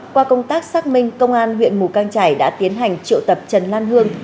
qua công tác xác minh công an huyện mù căng trải đã tiến hành triệu tập trần lan hương